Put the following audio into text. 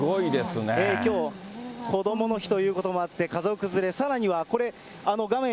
きょう、こどもの日ということもありまして、家族連れ、さらにはこれ、画面